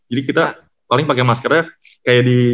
jadi kita paling pake maskernya kayak di